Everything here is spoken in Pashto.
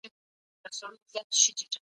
اسلامي لاره غوره لاره ده.